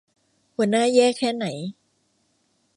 หัวหน้าแย่แค่ไหน